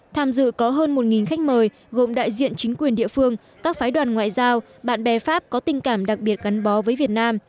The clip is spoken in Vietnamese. tham dự có hơn một khách mời gồm đại diện chính quyền địa phương các phái đoàn ngoại giao bạn bè pháp có tình cảm đặc biệt gắn bó với việt nam